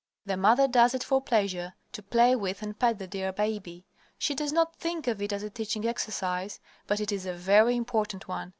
The mother does it for pleasure; to play with and pet the dear baby. She does not think of it as a teaching exercise, but it is a very important one.